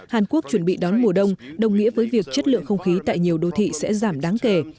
hàn quốc chuẩn bị đón mùa đông đồng nghĩa với việc chất lượng không khí tại nhiều đô thị sẽ giảm đáng kể